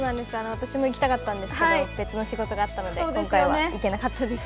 私も行きたかったんですけど別の仕事があったので今回は行けなかったです。